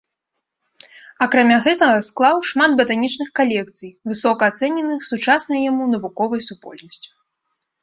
Акрамя гэтага склаў шмат батанічных калекцый, высока ацэненых сучаснай яму навуковай супольнасцю.